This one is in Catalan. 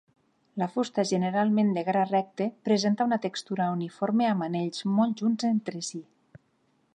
La fusta, generalment de gra recte, presenta una textura uniforme amb anells molt junts entre si.